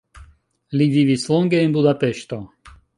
Li vivis longe en Budapeŝto.